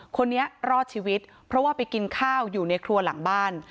คนนี้รอดชีวิตเพราะว่าไปกินข้าวอยู่ในครัวหลังบ้าน